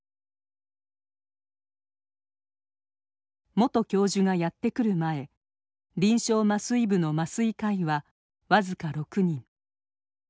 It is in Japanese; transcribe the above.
元教授がやって来る前臨床麻酔部の麻酔科医は僅か６人。